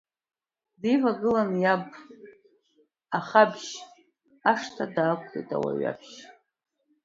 Дивагылан иаб ахабжь, ашҭа даақәлеит ауаҩаԥшь.